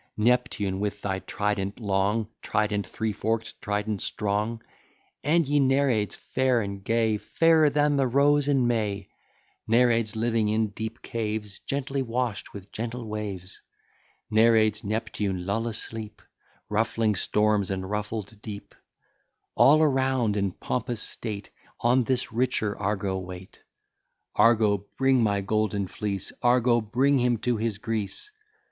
Neptune, with thy trident long, Trident three fork'd, trident strong: And ye Nereids fair and gay, Fairer than the rose in May, Nereids living in deep caves, Gently wash'd with gentle waves; Nereids, Neptune, lull asleep Ruffling storms, and ruffled deep; All around, in pompous state, On this richer Argo wait: Argo, bring my golden fleece, Argo, bring him to his Greece.